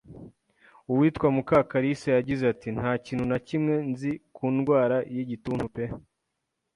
Uwitwa Mukakarisa, yagize ati “Nta kintu na kimwe nzi ku ndwara y’igituntu pe!